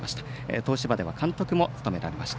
東芝では監督も務められました。